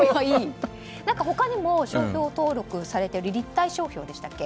他にも商標登録されているのは立体商標でしたっけ。